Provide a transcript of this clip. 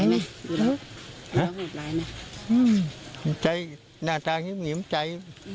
อือใจหน้าทางนิ้มใจ